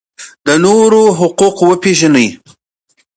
د نورو حقوق وپیژنئ